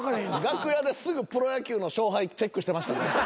楽屋ですぐプロ野球の勝敗チェックしてました。